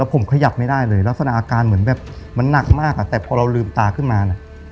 ผมขยับไม่ได้เลยลักษณะอาการเหมือนแบบมันหนักมากแต่พอเราลืมตาขึ้นมา